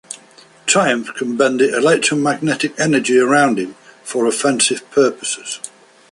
Triumph can bend the electromagnetic energy around him for offensive purposes.